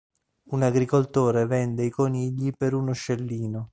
Un agricoltore vende i conigli per uno scellino.